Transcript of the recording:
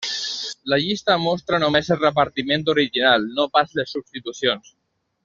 La llista mostra només el repartiment original, no pas les substitucions.